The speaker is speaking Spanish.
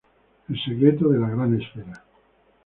El secreto de la gran esfera.